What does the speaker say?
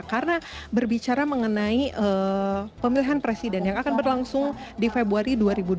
karena berbicara mengenai pemilihan presiden yang akan berlangsung di februari dua ribu dua puluh empat